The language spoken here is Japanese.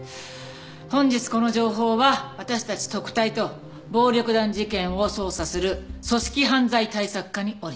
本日この情報は私たち特対と暴力団事件を捜査する組織犯罪対策課に下りた。